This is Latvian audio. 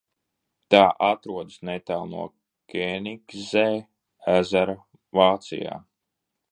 Tā atrodas netālu no Kēnigszē ezera Vācijā.